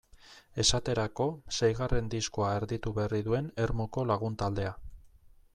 Esaterako, seigarren diskoa erditu berri duen Ermuko lagun taldea.